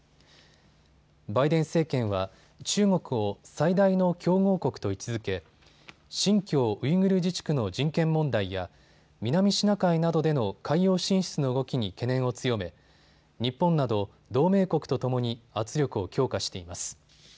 バイデン政権は、中国を最大の競合国と位置づけ新疆ウイグル自治区の人権問題や南シナ海などでの海洋進出の動きに懸念を強め、日本など同盟国とともに圧力を強化しています。